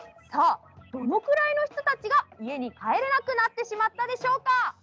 どのくらいの人たちが家に帰れなくなってしまったでしょうか？